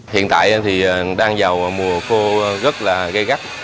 hiện tại thì đang vào mùa khô rất là gây gắt